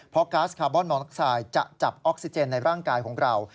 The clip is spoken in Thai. เพราะก๊าซคาร์บอนมอน็อกไซด์จะจับออกซิเจนในร่างกายของเรา